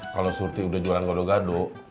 kalau surti udah jualan gado gado